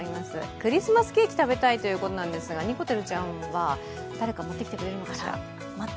クリスマスケーキ食べたいということなんですが、にこてるちゃんは、誰か持ってきてくれるかしら。